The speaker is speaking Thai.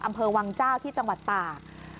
อำเภอวังเจ้าที่จังหวัดตาก